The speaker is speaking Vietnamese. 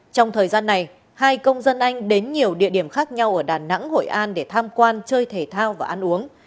trong thời gian này hai công dân anh đến nhiều địa điểm khác nhau ở đà nẵng hội an để tham quan chơi thể thao và ăn uống